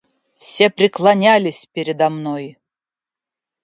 Все преклонялись передо мной!